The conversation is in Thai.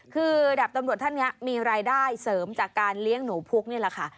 คือดับตำรวจท่านนี้มีรายได้เสริมจากการเลี้ยงหนูพุกนี่แหละค่ะ